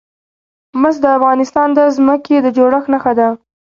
مس د افغانستان د ځمکې د جوړښت نښه ده.